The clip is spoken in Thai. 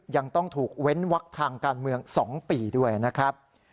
ยังต้องถูกเว้นวักทางการเมือง๒ปีด้วยนะครับ